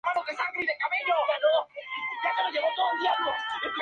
Los primeros intentos fracasaron debido a la falta de financiación para la inmensa tarea.